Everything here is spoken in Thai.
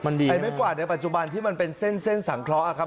ไอ้ไม้กวาดในปัจจุบันที่มันเป็นเส้นเส้นสังเคราะห์ครับ